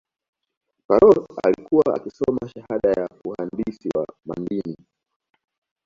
karol alikiuwa akisoma shahada ya uhandisi wa mandini